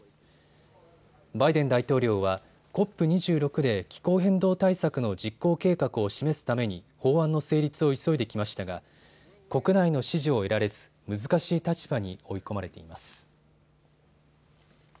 バイデン大統領はＣＯＰ２６で気候変動対策の実行計画を示すために法案の成立を急いできましたが国内の支持を得られず難しい立場に追い込まれています。